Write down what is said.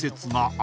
あ